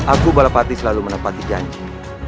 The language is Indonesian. aku balap hati selalu menepati janji